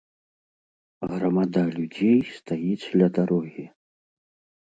Грамада людзей стаіць ля дарогі.